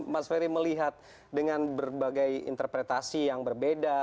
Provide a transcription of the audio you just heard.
mas ferry melihat dengan berbagai interpretasi yang berbeda